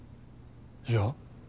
いや。